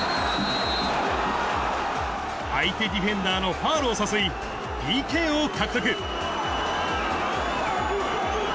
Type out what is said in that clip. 相手ディフェンダーのファウルを誘い、ＰＫを獲得。